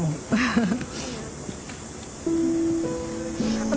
ハハハッ。